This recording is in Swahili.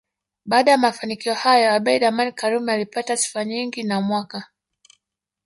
Baada ya mafanikio hayo Abeid Amani Karume alipata sifa nyingi na mwaka